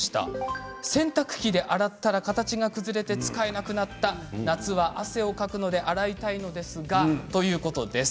洗濯機で洗ったら形が崩れて使えなくなった夏は汗をかくので洗いたいのですがということです。